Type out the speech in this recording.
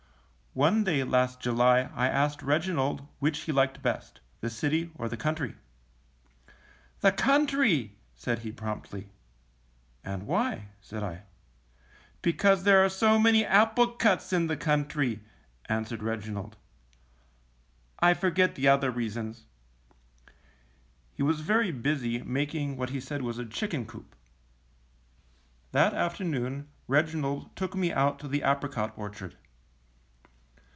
One day last July I asked Reginald which he liked best, the city or the country. ^^The country,'^ said he, promptly. ^^And why?'' said I. ^ ^Because there are so many applecuts in the country,'' answered Reginald. "I forget the other reasons." He was very busy making what he said was a chicken coop. That afternoon Reginald took me out to the apricot orchard.